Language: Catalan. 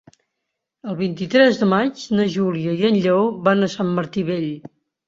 El vint-i-tres de maig na Júlia i en Lleó van a Sant Martí Vell.